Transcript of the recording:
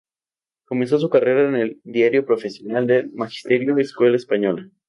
Comenzó su carrera en el diario profesional del magisterio Escuela Española.